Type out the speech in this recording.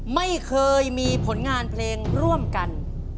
ไม่เคยมีผลงานเพลงร่วมกัน